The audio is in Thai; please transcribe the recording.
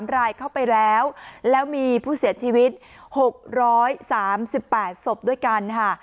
๓รายเข้าไปแล้วแล้วมีผู้เสียชีวิต๖๓๘ศพด้วยกันค่ะ